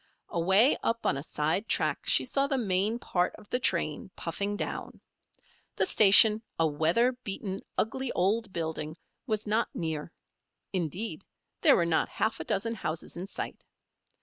Away up on a side track she saw the main part of the train, puffing down. The station, a weather beaten, ugly old building, was not near. Indeed, there were not half a dozen houses in sight.